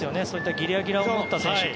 ギラギラを持った選手って。